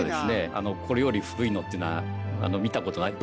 これより古いのっていうのは見たことない。